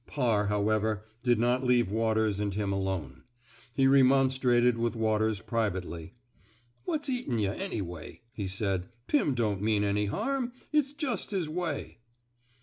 Parr, however, did not leave Waters and him alone. He remonstrated with Waters privately. *' What's eatin' yuh, anyway? " he said. Pim don't mean any harm. It's just his way."